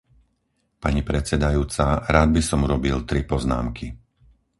Pani predsedajúca, rád by som urobil tri poznámky.